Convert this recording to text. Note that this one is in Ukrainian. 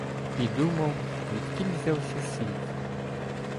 І думав, відкіль взявся світ?